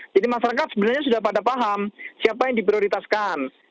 jadi masyarakat sebenarnya sudah pada paham siapa yang diprioritaskan